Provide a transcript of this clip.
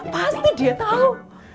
pasti dia tau